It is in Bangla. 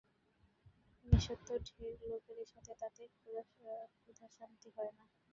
মেসো তো ঢের লোকেরই থাকে, তাতে ক্ষুধাশান্তি হয় না।